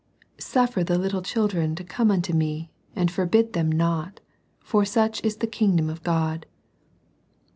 — "Suffer the little children to come unto Me, and forbid them not, for of such is the kingdom of God."